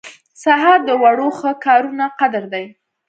سهار د وړو ښه کارونو قدر دی.